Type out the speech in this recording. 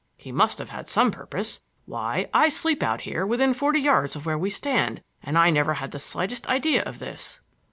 He must have had some purpose. Why, I sleep out here within forty yards of where we stand and I never had the slightest idea of this."